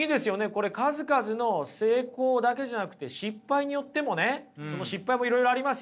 これ数々の成功だけじゃなくて失敗によってもねその失敗もいろいろありますよ。